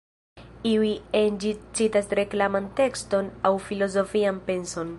Iuj en ĝi citas reklaman tekston aŭ filozofian penson.